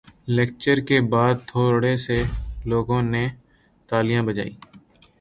lecture کے بات تھورے سے لوگوں نے تالیاں بجائی